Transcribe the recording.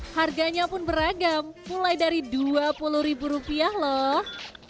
harganya pun beragam mulai dari dua puluh ribu rupiah loh